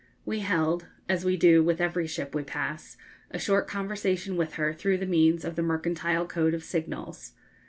We held as we do with every ship we pass a short conversation with her through the means of the mercantile code of signals.